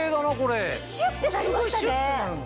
シュってなりましたね！